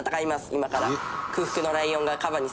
今から」